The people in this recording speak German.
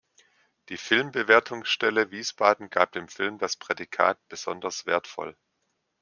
Die Filmbewertungsstelle Wiesbaden gab dem Film das Prädikat "Besonders wertvoll".